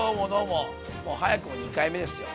もう早くも２回目ですよ。